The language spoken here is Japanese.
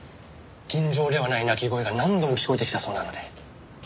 尋常ではない泣き声が何度も聞こえてきたそうなので。